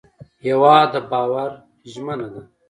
هېواد د باور ژمنه ده.